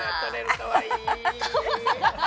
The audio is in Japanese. かわいい！